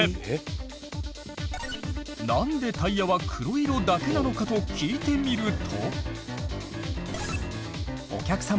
「なんでタイヤは黒色だけなのか」と聞いてみると。